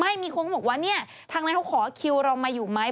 ไม่มีคนก็บอกว่าเนี่ยทางนั้นเขาขอคิวเรามาอยู่ไหม